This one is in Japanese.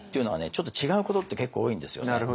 ちょっと違うことって結構多いんですよね。